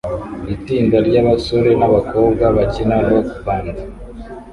s itsinda ryabasore nabakobwa bakina rock band